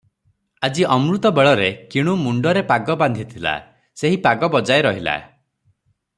ଆଜି ଅମୃତବେଳରେ କିଣୁ ମୁଣ୍ଡରେ ପାଗ ବାନ୍ଧିଥିଲା, ସେହି ପାଗ ବଜାଏ ରହିଲା